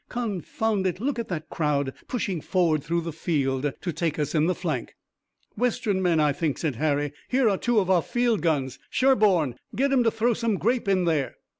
Confound it, look at that crowd pushing forward through the field to take us in the flank!" "Western men, I think," said Harry. "Here are two of our field guns, Sherburne! Get 'em to throw some grape in there!"